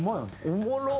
おもろっ！